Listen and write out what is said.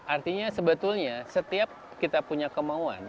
artinya sebetulnya setiap kita punya kemauan